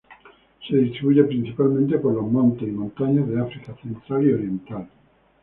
Se distribuye principalmente por los montes y montañas de África central y oriental.